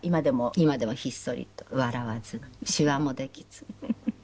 今でもひっそりと笑わずにしわもできず。